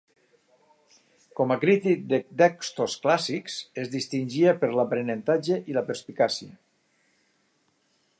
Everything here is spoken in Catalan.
Com a crític de textos clàssics, es distingia per l'aprenentatge i la perspicàcia.